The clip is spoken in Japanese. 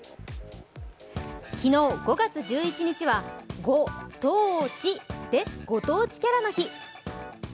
昨日５月１１日はごとーちぃでご当地キャラの日。